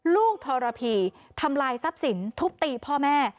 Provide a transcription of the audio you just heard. ทรพีทำลายทรัพย์สินทุบตีพ่อแม่